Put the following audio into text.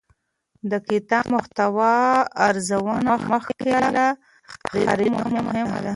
د کتاب محتوا ارزونه مخکې له خرید مهمه ده.